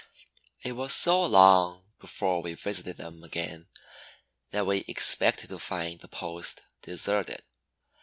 It was so long before we visited them again that we expected to find the post deserted.